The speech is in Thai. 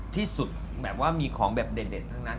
ที่สุดแบบว่ามีของแบบเด่นทั้งนั้น